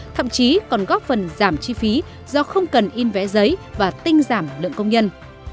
thậm chí còn góp phần giảm chi phí do không cần in vé giấy và tinh giảm lượng công nhân